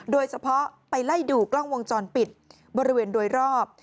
โดยเฉพาะไปไล่ดูกล้องวงจรปิดบริเวณโดยรอบ